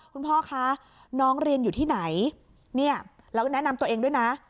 พ่อคะน้องเรียนอยู่ที่ไหนเนี่ยแล้วก็แนะนำตัวเองด้วยนะ